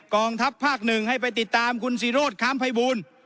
กองทัพภาคหนึ่งให้ไปติดตามคุณศิโรธค้ำภัยบูล